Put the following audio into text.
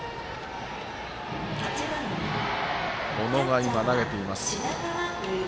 小野が投げています。